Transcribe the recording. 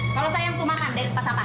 kalau sayang itu makan dari pasangan